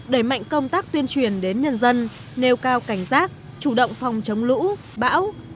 đẩy mạnh công tác tuyên truyền đến nhân dân nêu cao cảnh giác chủ động phòng chống lũ bão